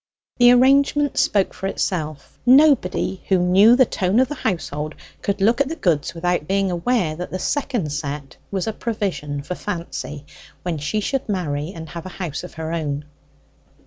The arrangement spoke for itself: nobody who knew the tone of the household could look at the goods without being aware that the second set was a provision for Fancy, when she should marry and have a house of her own.